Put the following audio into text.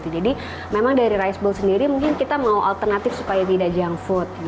jadi memang dari rice bowl sendiri mungkin kita mau alternatif supaya tidak junk food